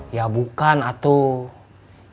ya bukan atuh